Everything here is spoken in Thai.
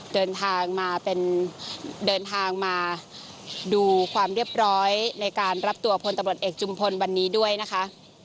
เดินทางมาเป็นเดินทางมาดูความเรียบร้อยในการรับตัวพลตำรวจเอกจุมพลวันนี้ด้วยนะคะ